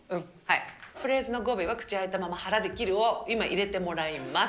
フレーズの語尾は口開いたまま腹で切るを、今入れてもらいます。